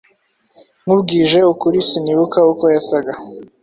Nkubwije ukuri sinibuka uko yasaga.